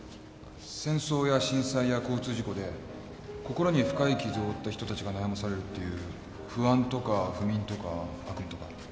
戦争や震災や交通事故で心に深い傷を負った人たちが悩まされるっていう不安とか不眠とか悪夢とか